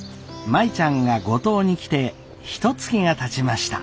舞ちゃんが五島に来てひとつきがたちました。